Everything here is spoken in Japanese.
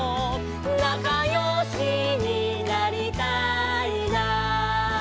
「なかよしになりたいな」